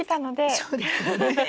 そうですよね。